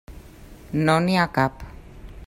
No n'hi ha cap.